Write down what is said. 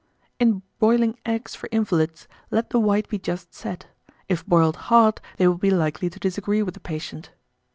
1852. In boiling eggs for invalids, let the white be just set; if boiled hard, they will be likely to disagree with the patient.